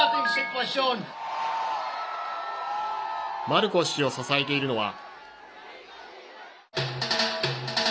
マルコス氏を支えているのは。